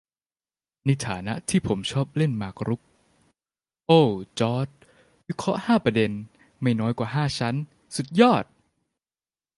"ในฐานะที่ผมชอบเล่นหมากรุก" ! โอ้ว จอร์จ วิเคราะห์ห้าประเด็น ไม่น้อยกว่าห้าชั้น สุดยอด !